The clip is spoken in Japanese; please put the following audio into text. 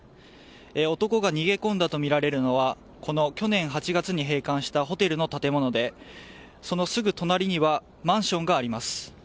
男が逃げ込んだとみられるのは去年８月に閉館したホテルの建物でそのすぐ隣にはマンションがあります。